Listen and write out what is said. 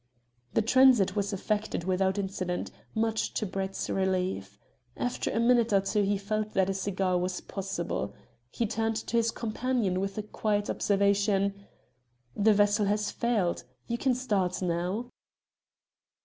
The transit was effected without incident, much to Brett's relief. After a minute or two he felt that a cigar was possible. He turned to his companion with a quiet observation "The vessel has failed. You can start now."